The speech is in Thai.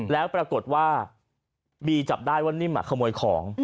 แล้วปรากฏว่าบีจับได้ว่านิ่มขโมยของ